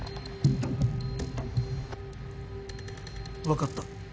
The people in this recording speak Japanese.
わかった。